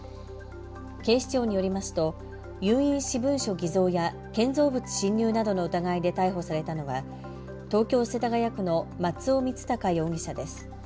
警視庁によりますと有印私文書偽造や建造物侵入などの疑いで逮捕されたのは東京世田谷区の松尾光高容疑者です。